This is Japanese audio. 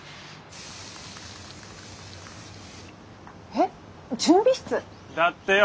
えっ準備室？だってよ